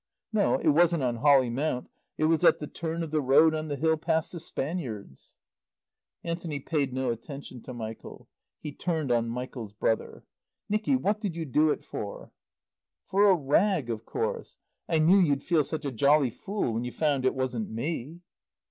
No, it wasn't on Holly Mount, it was at the turn of the road on the hill past the "Spaniards." Anthony paid no attention to Michael. He turned on Michael's brother. "Nicky, what did you do it for?" "For a rag, of course. I knew you'd feel such a jolly fool when you found it wasn't me."